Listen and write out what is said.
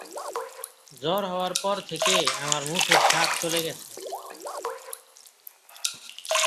জ্বর হওয়ার পর থেকে আমার মুখের স্বাদ চলে গেছে।